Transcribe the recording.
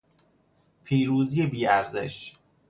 پیروزی بیارزش